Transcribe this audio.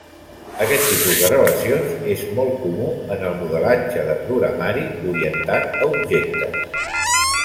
Aquest tipus de relacions és molt comú en el modelatge de programari orientat a objectes.